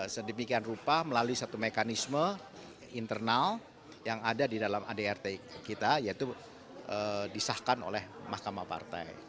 sedemikian rupa melalui satu mekanisme internal yang ada di dalam adrt kita yaitu disahkan oleh mahkamah partai